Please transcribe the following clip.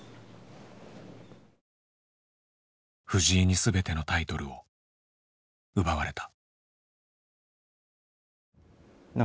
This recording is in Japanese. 藤井に全てのタイトルを奪われた。